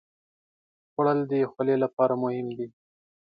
خوړل د خولې لپاره مهم دي